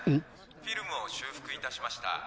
フィルムを修復いたしました。